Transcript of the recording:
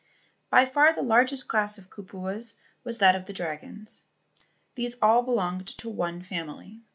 By far the largest class of kupuas was that of the dragons. These all belonged to one family.